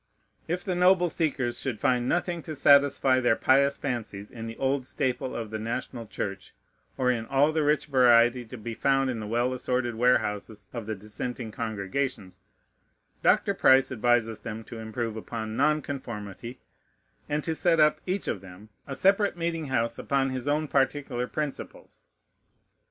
If the noble Seekers should find nothing to satisfy their pious fancies in the old staple of the national Church, or in all the rich variety to be found in the well assorted warehouses of the Dissenting congregations, Dr. Price advises them to improve upon Non Conformity, and to set up, each of them, a separate meeting house upon his own particular principles.